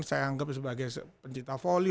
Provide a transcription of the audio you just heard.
saya anggap sebagai pencipta volley